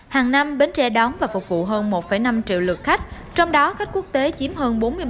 hàng năm bến tre đón và phục vụ hơn một năm triệu lượt khách trong đó khách quốc tế chiếm hơn bốn mươi bảy